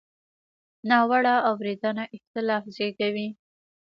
ناوړه اورېدنه اختلاف زېږوي.